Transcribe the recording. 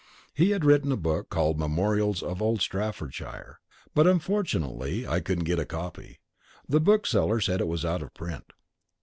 He had written a book called "Memorials of Old Staffordshire," but unfortunately I couldn't get a copy. The bookseller said it was out of print.